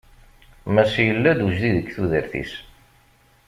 Massi yella-d ujdid deg tudert-is.